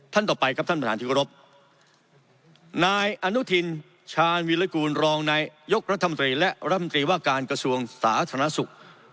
ต่อไปครับท่านประธานที่กรบนายอนุทินชาญวิรากูลรองนายยกรัฐมนตรีและรัฐมนตรีว่าการกระทรวงสาธารณสุข